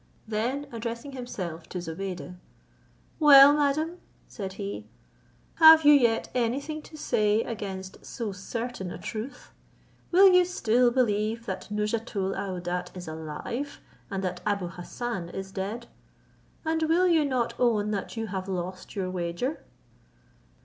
Then addressing himself to Zobeide, "Well, madam," said he, "have you yet any thing to say against so certain a truth? Will you still believe that Nouzhatoul aouadat is alive, and that Abou Hassan is dead? And will you not own that you have lost your wager?"